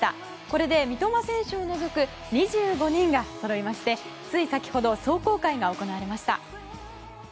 これで三笘選手を除く２５人がそろいまして、つい先ほど壮行会が行われました。